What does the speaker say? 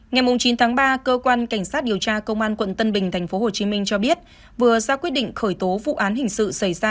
ngày chín tháng ba cơ quan cảnh sát điều tra công an quận tân bình tp hcm cho biết vừa ra quyết định khởi tố vụ án hình sự xảy ra